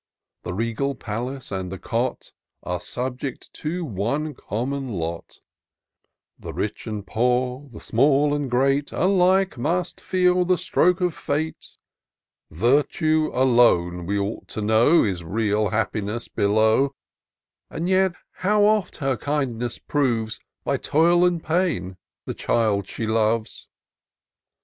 The regal palace and the cot Are subject to one common lot ; The rich and poor, the small and great, Alike must feel the stroke of fii*6 1 Virtue alone, we ought to know, Is real happiness below ; And yet how oft her kindness proves, By toil and pain, the child she loves.